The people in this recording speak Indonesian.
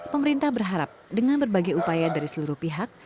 pemerintah berharap dengan berbagai upaya dari seluruh pihak